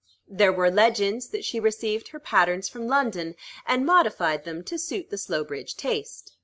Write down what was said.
There were legends that she received her patterns from London, and modified them to suit the Slowbridge taste.